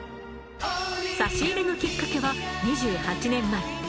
差し入れのきっかけは２８年前。